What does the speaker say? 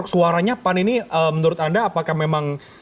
suaranya pan ini menurut anda apakah memang